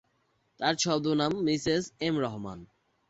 তার ছদ্মনাম Mrs M Rahman.